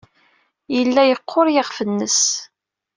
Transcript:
Yella yeqqur yiɣef-nnes.